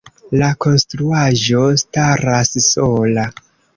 La konstruaĵo staras sola.